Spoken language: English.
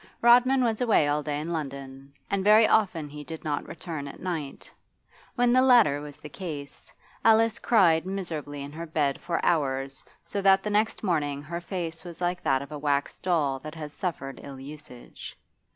Rodman was away all day in London, and very often he did not return at night; when the latter was the case, Alice cried miserably in her bed for hours, so that the next morning her face was like that of a wax doll that has suffered ill usage.